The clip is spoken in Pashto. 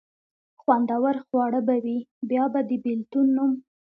خوندور خواړه به وي، بیا به د بېلتون نوم.